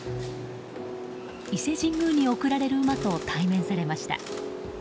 伊勢神宮に贈られる馬と対面されました。